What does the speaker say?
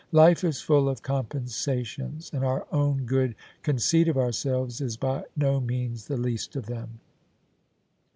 Life is full of compensations: and our own good con ceit of ourselves is by no means the least of them.